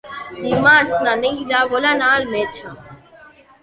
Dimarts na Neida vol anar al metge.